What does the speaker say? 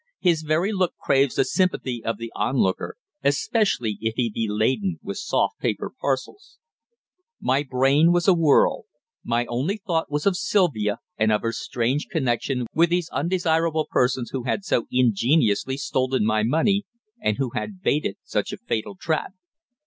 His very look craves the sympathy of the onlooker, especially if he be laden with soft paper parcels. My brain was awhirl. My only thought was of Sylvia and of her strange connection with these undesirable persons who had so ingeniously stolen my money, and who had baited such a fatal trap.